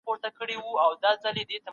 ښار د غلو دانو له قحطۍ سره مخ شو.